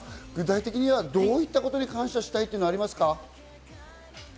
具体的にはどういったことに感謝したいってありますか？